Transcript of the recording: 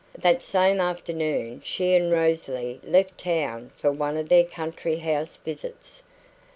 That same afternoon she and Rosalie left town for one of their country house visits.